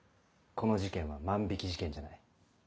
この事件は万引事件じゃない。